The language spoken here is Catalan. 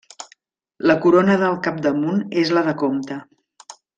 La corona del capdamunt és la de comte.